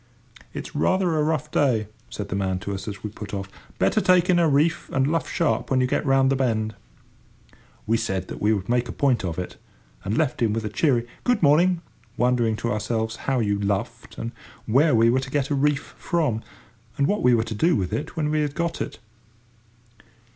"It's rather a rough day," said the man to us, as we put off: "better take in a reef and luff sharp when you get round the bend." We said we would make a point of it, and left him with a cheery "Good morning," wondering to ourselves how you "luffed," and where we were to get a "reef" from, and what we were to do with it when we had got it.